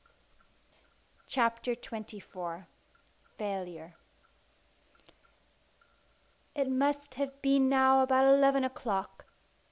CHAPTER XXIV Failure It must have been now about eleven o'clock.